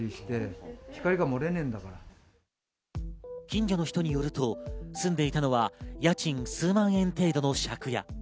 近所の人によると、住んでいたのは家賃数万円程度の借家。